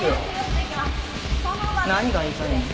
何が言いたいの？